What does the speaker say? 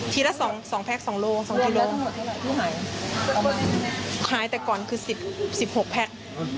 ทีละสองสองแพ็กสองโลสองกิโลที่หายหายแต่ก่อนคือสิบสิบหกแพ็ก